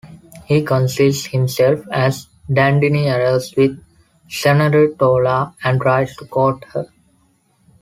He conceals himself as Dandini arrives with Cenerentola and tries to court her.